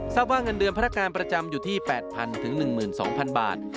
ว่าเงินเดือนพนักงานประจำอยู่ที่๘๐๐๑๒๐๐๐บาท